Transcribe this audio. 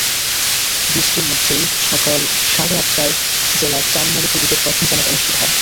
বৃষ্টির মধ্যেই সকাল সাড়ে আটটায় জেলার চানমারিতে ঈদের প্রধান জামাত অনুষ্ঠিত হয়।